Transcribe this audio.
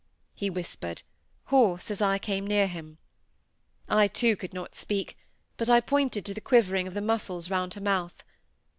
he whispered, hoarse, as I came near him. I, too, could not speak, but I pointed to the quivering of the muscles round her mouth.